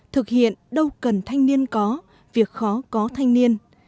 thực hiện đâu cần thanh niên có việc khó có thanh niên